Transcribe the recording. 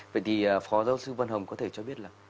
vậy thì phó giáo sư văn hồng có thể cho biết là